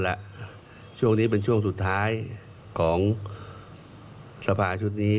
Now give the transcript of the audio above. และช่วงนี้เป็นช่วงสุดท้ายของสภาชุดนี้